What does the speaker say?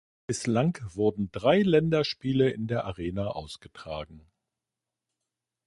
Bislang wurden drei Länderspiele in der Arena ausgetragen.